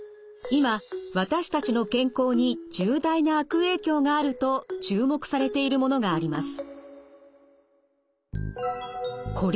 今私たちの健康に重大な悪影響があると注目されているものがあります。